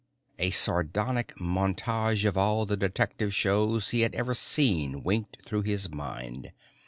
A sardonic montage of all the detective shows he had ever seen winked through his mind.